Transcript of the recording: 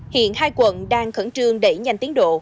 hiện hai quận đang khẩn trương đẩy nhanh tiến độ